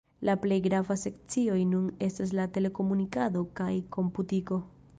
La plej gravaj sekcioj nun estas telekomunikado kaj komputiko.